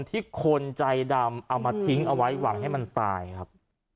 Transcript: ที่คนใจดำเอามาทิ้งเอาไว้หวังให้มันตายครับ